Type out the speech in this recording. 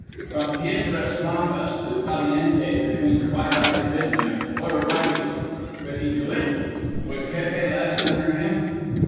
From Piedras Blancas to Caliente between twilight and midnight! What a riding! Could he do it? Would Pépe last under him?